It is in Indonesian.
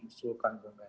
oke jadi kalau ada koalisi